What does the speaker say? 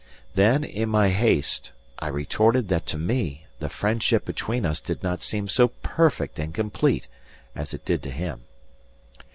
Then, in my haste, I retorted that to me the friendship between us did not seem so perfect and complete as it did to him.